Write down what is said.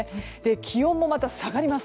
気温も下がります。